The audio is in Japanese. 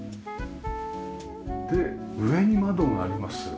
で上に窓があります。